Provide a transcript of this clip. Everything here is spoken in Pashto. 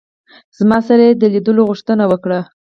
زما سره یې د لیدلو غوښتنه وکړه.